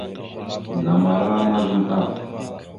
Namara mazam ɗaf.